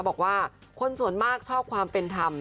บอกว่าคนส่วนมากชอบความเป็นธรรม